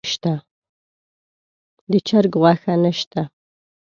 د چرګ غوښه نه شته.